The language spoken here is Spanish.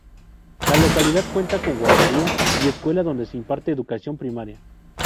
La localidad cuenta con guardería y escuela donde se imparte educación primaria.